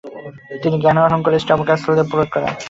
তিনি জ্ঞান আহরণ করে স্টবো ক্যাসলে প্রয়োগ করেন।